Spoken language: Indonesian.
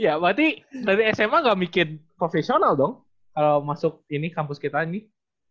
iya berarti dari sma ga mikir profesional dong kalo masuk ini kampus kita nih